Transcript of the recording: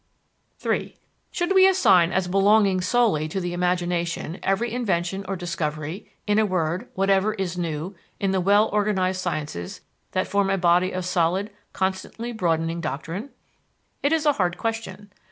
III Should we assign as belonging solely to the imagination every invention or discovery in a word, whatever is new in the well organized sciences that form a body of solid, constantly broadening doctrine? It is a hard question.